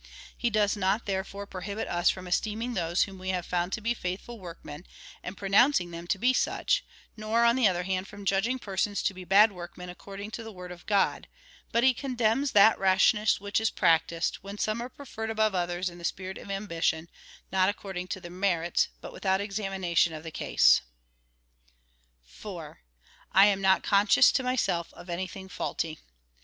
23.) He does not, therefore, proliibit us from esteeming those whom we have found to be faithful workmen, and pronouncing them to he such ; nor, on the other hand, from judging persons to be bad workmen accord ing to the word of God, but he condemns that rashness which is practised, when some are preferred above others in a spirit of ambition — not according to their merits, but without examination of the case.^ 4. / atn not conscious to myself of anything faulty.